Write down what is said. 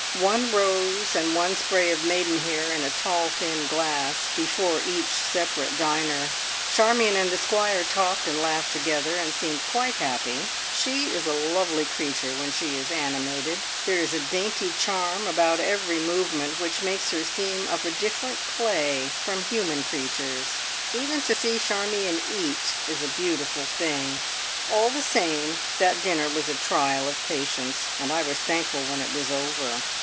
One rose and one spray of maidenhair, in a tall thin glass, before each separate diner. Charmion and the Squire talked and laughed together, and seemed quite happy. She is a lovely creature when she is animated; there is a dainty charm about every movement which makes her seem of a different clay from human creatures. Even to see Charmion eat is a beautiful thing! All the same, that dinner was a trial of patience, and I was thankful when it was over.